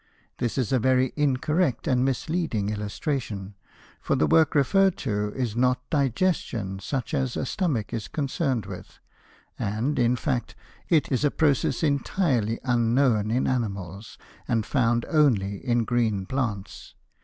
This is a very incorrect and misleading illustration, for the work referred to is not digestion such as a stomach is concerned with, and, in fact, it is a process entirely unknown in animals, and found only in green plants.